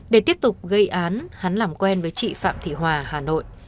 để tiếp tục gây án hắn làm quen với chị phạm thị hòa hà nội